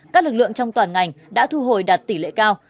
các lực lượng trong toàn ngành đã thu hồi đạt tỷ lệ cao